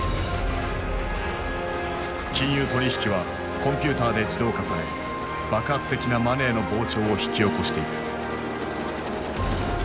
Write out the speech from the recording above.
金融取引はコンピューターで自動化され爆発的なマネーの膨張を引き起こしていく。